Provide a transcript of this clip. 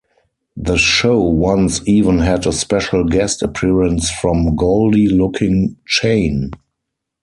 The show once even had a special guest appearance from Goldie Looking Chain.